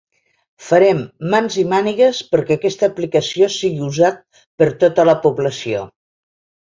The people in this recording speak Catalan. Farem mans i mànigues perquè aquesta aplicació sigui usat per tota la població.